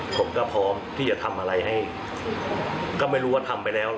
ผมก็พร้อมที่จะทำอะไรให้ก็ไม่รู้ว่าทำไปแล้ว